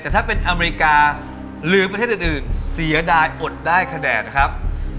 แต่ถ้าเป็นอเมริกาหรือประเทศอื่นเสียดายอดได้คะแนนครับ